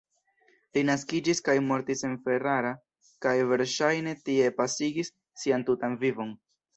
Li naskiĝis kaj mortis en Ferrara, kaj verŝajne tie pasigis sian tutan vivon.